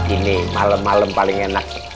ini malem malem paling enak